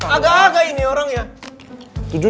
agak agak ini orangnya